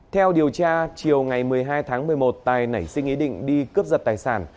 theo điều tra chiều ngày một mươi hai tháng một mươi một tài nảy sinh ý định đi cướp giật tài sản